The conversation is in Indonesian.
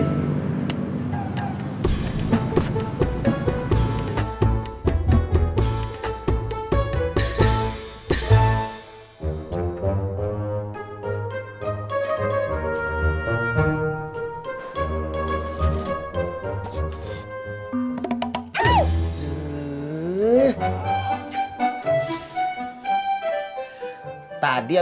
nah berarti dia tuh